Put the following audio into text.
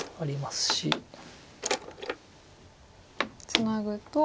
ツナぐと。